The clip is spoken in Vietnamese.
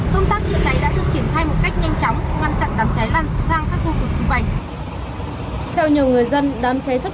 công tác trực cháy đã được triển thai một cách nhanh chóng ngăn chặn đám cháy lăn sang các khu vực xung quanh